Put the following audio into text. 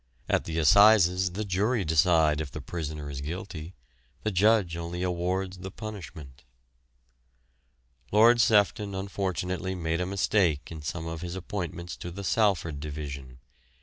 At the Assizes the jury decide if the prisoner is guilty, the judge only awards the punishment. Lord Sefton unfortunately made a mistake in some of his appointments to the Salford Division.